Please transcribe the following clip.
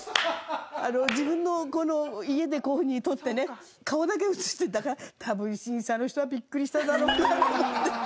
自分の家でこういうふうに撮ってね顔だけ映してたから多分審査の人はビックリしただろうなと思って。